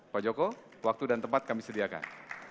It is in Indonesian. pak joko waktu dan tempat kami sediakan